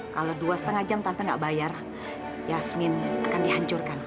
kalau dua lima jam tanpa nggak bayar yasmin akan dihancurkan